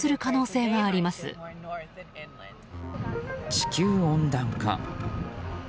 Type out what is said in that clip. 地球温暖化。